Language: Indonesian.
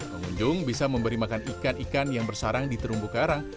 pengunjung bisa memberi makan ikan ikan yang bersarang di terumbu karang